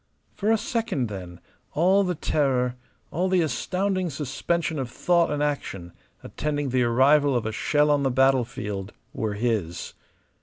For a second, then, all the terror, all the astounding suspension of thought and action attending the arrival of a shell on the battlefield were his.